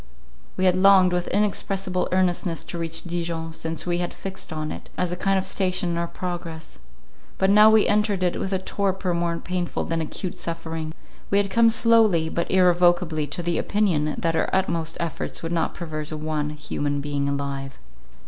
We had longed with inexpressible earnestness to reach Dijon, since we had fixed on it, as a kind of station in our progress. But now we entered it with a torpor more painful than acute suffering. We had come slowly but irrevocably to the opinion, that our utmost efforts would not preserve one human being alive.